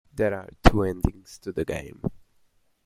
There are two endings to the game.